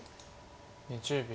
２０秒。